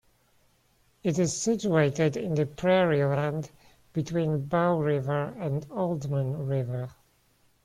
It is situated in the prairie land between Bow River and Oldman River.